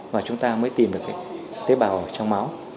và chúng ta mới tìm được tế bào trong máu